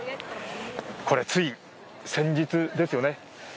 つい先日ですよね。